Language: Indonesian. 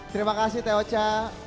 terima kasih teoca